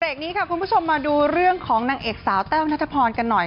นี้ค่ะคุณผู้ชมมาดูเรื่องของนางเอกสาวแต้วนัทพรกันหน่อย